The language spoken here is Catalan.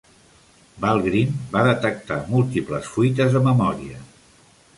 Valgrind va detectar múltiples fuites de memòria.